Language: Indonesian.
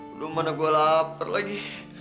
udah mana gue lapar lagi